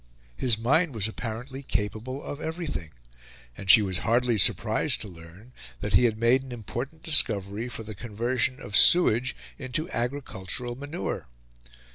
His mind was apparently capable of everything, and she was hardly surprised to learn that he had made an important discovery for the conversion of sewage into agricultural manure.